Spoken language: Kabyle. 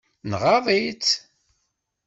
Nɣaḍ-itt?